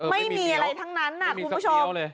ไม่มีอะไรทั้งนั้นนะคุณผู้ชม